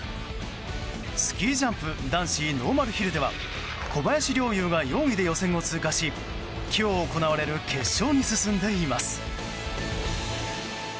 スキージャンプ男子ノーマルヒルでは小林陵侑が４位で予選を通過し今日行われる決勝に進んでいます。